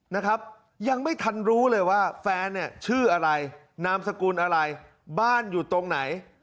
นะครับยังไม่ทันรู้เลยว่าแฟนเนี่ยชื่ออะไรนามสกุลอะไรบ้านอยู่ตรงไหน